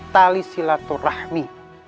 tali silatur rahmi